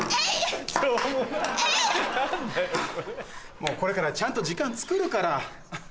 もうこれからちゃんと時間つくるから。